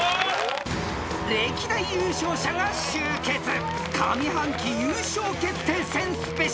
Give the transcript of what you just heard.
［歴代優勝者が集結上半期優勝決定戦ＳＰ］